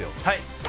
はい。